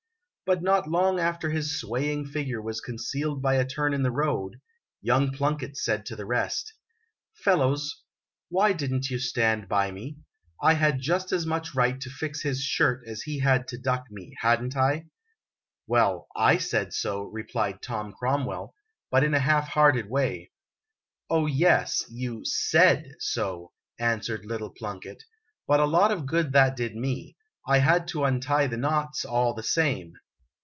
But not long after his swaying figure was concealed by a turn in the road, young Plunkett said to the rest :" Fellows, why did n't you stand by me ? I had just as much right to fix his shirt as he had to cluck me, had n't I ?"" Well, I said so," replied Tom Cromwell, but in a half hearted way. " Oh, yes ! You said so," answered little Plunkett, "but a lot of good that did me ! I had to untie the knots, all the same."